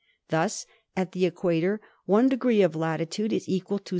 Thus at the equator one degree of latitude is equal to 68.